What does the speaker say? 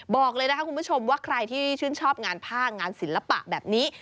บอกเลยนะคะคุณผู้ชมว่าใครที่ชื่นชอบงานผ้างานศิลปะแบบนี้